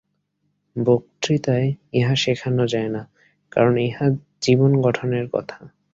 বক্তৃতায় ইহা শেখানো যায় না, কারণ ইহা জীবন-গঠনের কথা।